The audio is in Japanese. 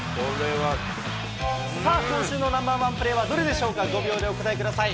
さあ、今週のナンバーワンプレーはどれでしょうか、５秒でお答えください。